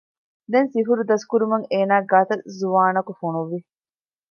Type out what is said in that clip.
ދެން ސިޙުރު ދަސްކުރުމަށް އޭނާގެ ގާތަށް ޒުވާނަކު ފޮނުވި